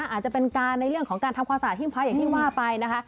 อาจจะเป็นการในเรื่องของการทำความสะอาดหิ้งพระอย่างที่ว่าไปนะคะ